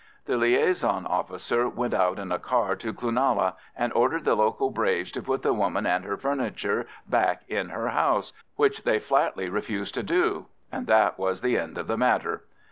The liaison officer went out in a car to Cloonalla, and ordered the local braves to put the woman and her furniture back in her house, which they flatly refused to do. And that was the end of the matter.